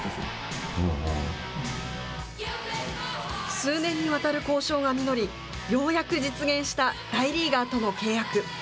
数年にわたる交渉が実り、ようやく実現した大リーガーとの契約。